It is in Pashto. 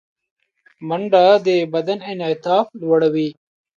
منډه د بدن انعطاف لوړوي